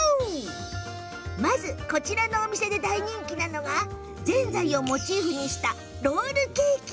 まず、こちらのお店で大人気なのがぜんざいをモチーフにしたロールケーキ。